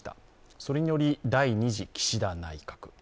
それにより、第２次岸田内閣。